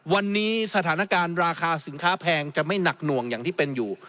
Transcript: วันนี้สถานการณ์ราคาสินค้าแพงจะไม่หนักหน่วงอย่างที่เป็นอยู่